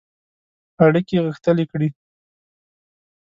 اړیکي غښتلي کړي.